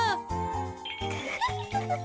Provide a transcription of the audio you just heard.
フフフフフ。